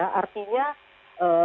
memang seharusnya dilakukan itu ya